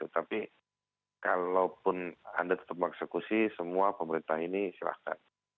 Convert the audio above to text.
tapi kalaupun anda tetap eksekusi semua pemerintah ini silahkan